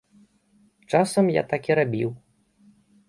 Часам я так і рабіў.